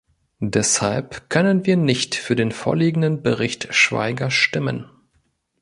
Deshalb können wir nicht für den vorliegenden Bericht Schwaiger stimmen.